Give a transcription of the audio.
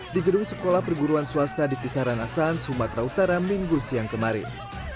di gedung sekolah perguruan swasta di kisaran asahan sumatera utara minggu siang kemarin